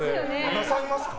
なさいますか？